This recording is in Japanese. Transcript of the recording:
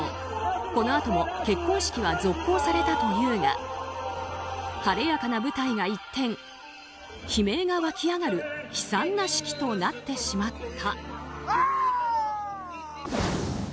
このあとも結婚式は続行されたというが晴れやかな舞台が一転悲鳴が湧き上がる悲惨な式となってしまった。